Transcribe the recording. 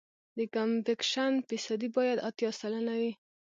د کمپکشن فیصدي باید اتیا سلنه وي